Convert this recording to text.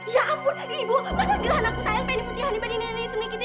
ya ampun ibu masa gerhanaku sayang penipu tiawani badinani semikiti